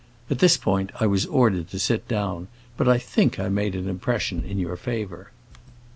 At this point I was ordered to sit down, but I think I made an impression in your favor."